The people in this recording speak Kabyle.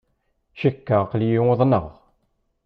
Cikkeɣ aql-iyi uḍneɣ.